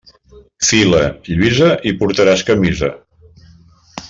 Fila, Lluïsa, i portaràs camisa.